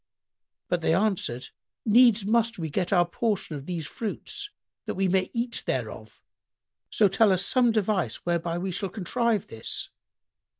But they answered, "Needs must we get our portion of these fruits that we may eat thereof: so tell us some device whereby we shall contrive this."